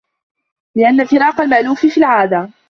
لِأَنَّ فِرَاقَ الْمَأْلُوفِ فِي الْعَادَةِ